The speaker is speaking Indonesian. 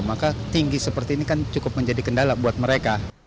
maka tinggi seperti ini kan cukup menjadi kendala buat mereka